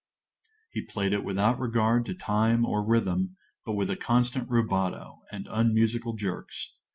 He played it without regard to time or rhythm, but with a constant rubato, and unmusical jerks.